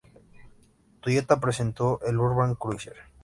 Toyota presentó el Urban Cruiser.